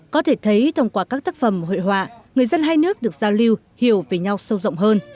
có thể thấy thông qua các tác phẩm hội họa người dân hai nước được giao lưu hiểu về nhau sâu rộng hơn